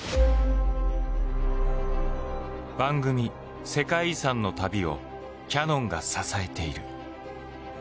番組「世界遺産」の旅をキヤノンが支えている。